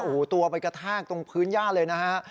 อู๋ตัวไปกระทากตรงพื้นญาติเลยนะฮะ